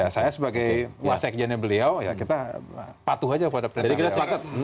saya sebagai wasaik jenis beliau kita patuh saja pada perintahnya